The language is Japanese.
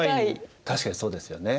確かにそうですよね。